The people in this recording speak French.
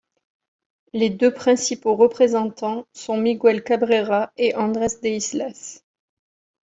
Les deux principaux représentants sont Miguel Cabrera et Andrés de Islas.